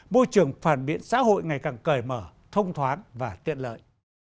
môi trường phản biện xã hội ngày càng cởi mở thông thoáng và tiện lợi